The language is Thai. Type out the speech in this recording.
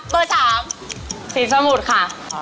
เบอร์๓ศรีสมุทรค่ะ